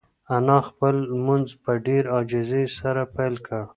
انا خپل لمونځ په ډېرې عاجزۍ سره پیل کړ.